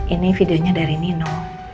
ini videonya dari nino